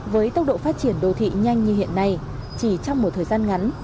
với tốc độ phát triển đô thị nhanh như hiện nay chỉ trong một thời gian ngắn